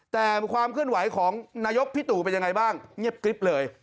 แต่ความเคลื่อนไหวของนายกพี่ตู่เป็นยังไงบ้างเงียบกริ๊บเลย